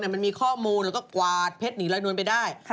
มันมีข้อมูลแล้วก็กวาดเพชรหนีลอยนวลไปได้